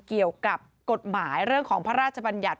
เกี่ยวกับกฎหมายเรื่องของพระราชบัญญัติ